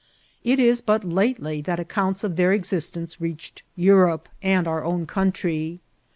It is but latdy that accomits of their existenoe reached Europe and our own country.